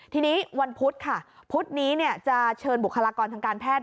ทีนี้วันพุธค่ะพุธนี้จะเชิญบุคลากรทางการแพทย์